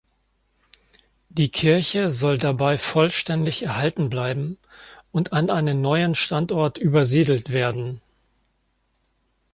Die Kirche soll dabei vollständig erhalten bleiben und an einen neuen Standort übersiedelt werden.